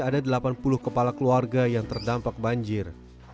ada delapan puluh kepala keluarga yang terdampak banjir